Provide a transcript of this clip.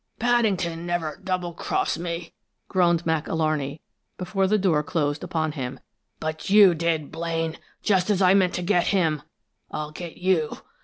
"Paddington never double crossed me!" groaned Mac Alarney, before the door closed upon him. "But you did, Blaine! Just as I meant to get him, I'll get you!